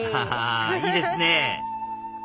あいいですね！